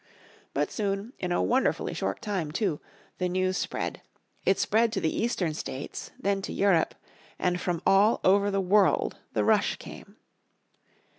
But soon, in a wonderfully short time too, the news spread. It spread to the Eastern States, then to Europe, and from all over the world the rush came.